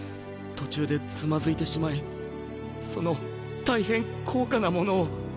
途中でつまずいてしまいその大変高価なものを。